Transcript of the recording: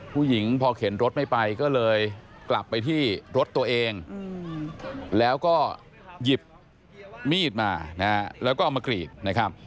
ผู้หญิงพอเข็นรถไม่ไปก็เลยกลับไปที่รถตัวเองแล้วก็หยิบมีดมานะฮะแล้วก็เอามากรีดนะครับ